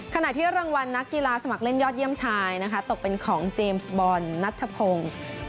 ขณะที่รางวัลนักกีฬาสมัครเล่นยอดเยี่ยมชายนะคะตกเป็นของเจมส์บอลนัทธพงศ์